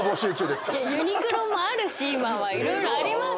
ユニクロもあるし今は色々ありますよ。